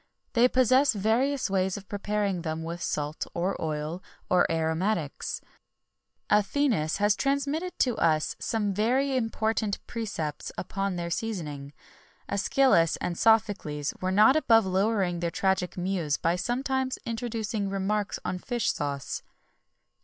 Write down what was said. They possessed various ways of preparing them with salt or oil, and aromatics.[XXI 11] Athenæus has transmitted to us some very important precepts upon their seasoning. Æschylus and Sophocles were not above lowering their tragic muse by sometimes introducing remarks on fish sauce.